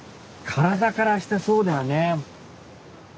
体からしてそうだよね。